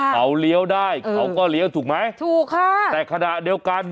เขาเลี้ยวได้เขาก็เลี้ยวถูกไหมถูกค่ะแต่ขณะเดียวกัน